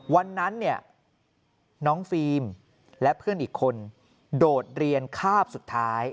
วันนั้นเนี่ยน้องฟิล์มและเพื่อนอีกคนโดดเรียนคาบสุดท้าย